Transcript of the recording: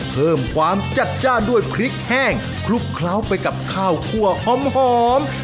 เพิ่มความจัดจ้านด้วยพริกแห้งคลุกเคล้าไปกับข้าวคั่วหอม